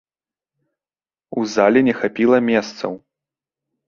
У зале не хапіла месцаў.